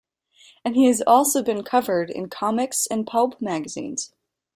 And he has also been covered in comics and pulp magazines.